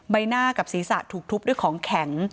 ใบหน้ากับศีรษะถูกทุบด้วยของแข็ง